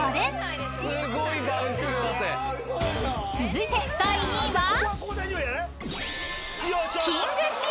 ［続いて第２位は？］